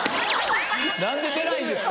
何で出ないんですか。